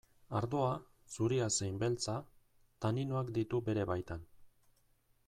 Ardoa, zuria zein beltza, taninoak ditu bere baitan.